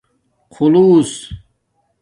خُݸلُوس